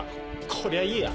こりゃいいや。